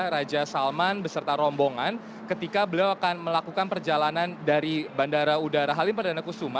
raja salman beserta rombongan ketika beliau akan melakukan perjalanan dari bandara udara halim perdana kusuma